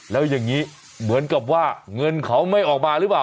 แล้วอย่างนี้เหมือนกับว่าเงินเขาไม่ออกมาหรือเปล่า